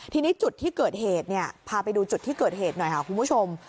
ทีนี้จุดที่เกิดเหตุเนี่ยพาไปดูจุดที่เกิดเหตุหน่อยค่ะคุณผู้ชม